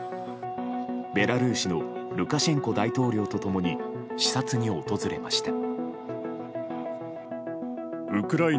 ベラルーシのルカシェンコ大統領と共に視察に訪れました。